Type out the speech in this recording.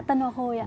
tân hoa khôi